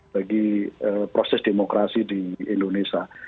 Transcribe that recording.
bagi proses demokrasi di indonesia